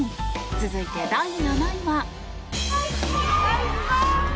続いて、第７位は。